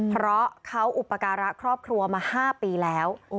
เพราะเขาอุปการะครอบครัวมา๕ปีแล้ว